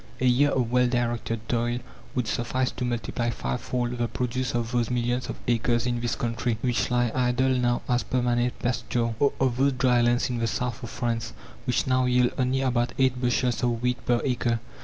A year of well directed toil would suffice to multiply fivefold the produce of those millions of acres in this country which lie idle now as "permanent pasture," or of those dry lands in the south of France which now yield only about eight bushels of wheat per acre.